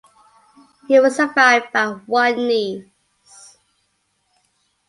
He was survived by one niece.